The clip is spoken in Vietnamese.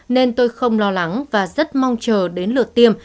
nên tôi không lo lắng và rất mong chờ đến lượt tiêm